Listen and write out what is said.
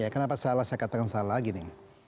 kenapa salah saya katakan salah gini